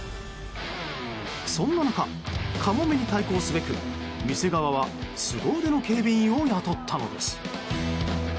そんな中、カモメに対抗すべく店側はすご腕の警備員を雇ったのです。